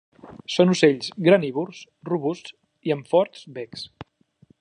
Són ocells granívors robusts i amb forts becs.